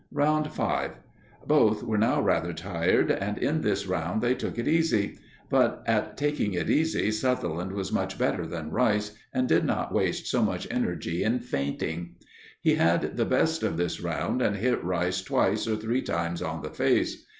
Round 5. Both were now rather tired, and in this round they took it easy. But at taking it easy Sutherland was much better than Rice and did not waste so much energy in feinting. He had the best of this round and hit Rice twice or three times on the face.